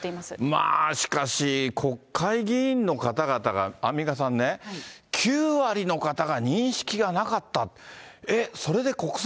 まあ、しかし、国会議員の方々が、アンミカさんね、９割の方が認識がなかった、え？